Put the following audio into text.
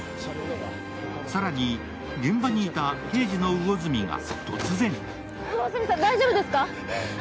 更に現場にいた刑事の魚住が突然。